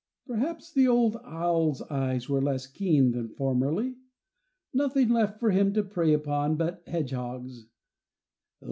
Perhaps the old owl's eyes were less keen than formerly. Nothing left for him to prey upon but hedgehogs.